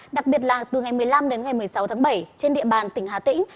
đặc biệt là từ ngày một mươi năm đến ngày một mươi sáu tháng bảy trên địa bàn tỉnh hà tĩnh